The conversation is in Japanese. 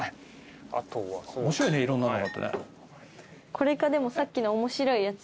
これかさっきの面白いやつ。